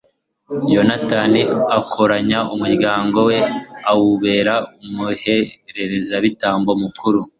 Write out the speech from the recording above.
yonatani akoranya umuryango we awubera umuherezabitambo mukuru